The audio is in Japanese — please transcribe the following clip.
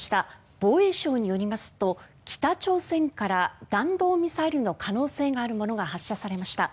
防衛省によりますと北朝鮮から弾道ミサイルの可能性があるものが発射されました。